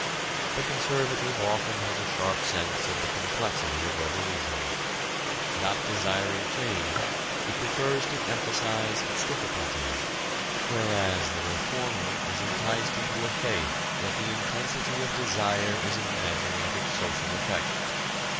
The conservative often has a sharp sense of the complexity of revolution: not desiring change, he prefers to emphasize its difficulties, whereas the reformer is enticed into a faith that the intensity of desire is a measure of its social effect.